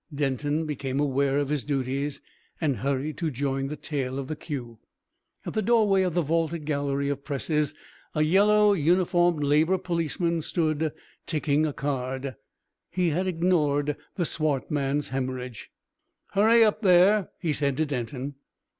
Denton became aware of his duties, and hurried to join the tail of the queue. At the doorway of the vaulted gallery of presses a yellow uniformed labour policeman stood ticking a card. He had ignored the swart man's hæmorrhage. "Hurry up there!" he said to Denton.